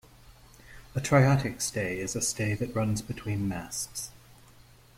A triatic stay is a stay that runs between masts.